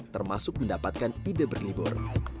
termasuk mendapatkan ide berlibur